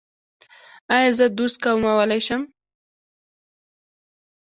ایا زه دوز کمولی شم؟